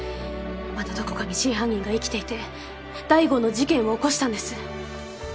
まだどこかに真犯人が生きていて第５の事件を起こしたんです。